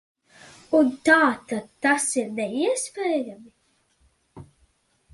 Un tātad tas ir neiespējami.